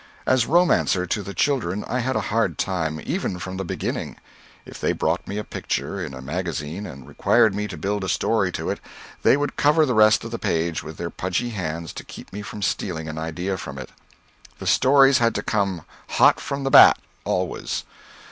As romancer to the children I had a hard time, even from the beginning. If they brought me a picture, in a magazine, and required me to build a story to it, they would cover the rest of the page with their pudgy hands to keep me from stealing an idea from it. The stories had to come hot from the bat, always.